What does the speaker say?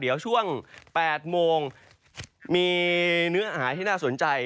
เดี๋ยวช่วง๘โมงมีเนื้อหาที่น่าสนใจ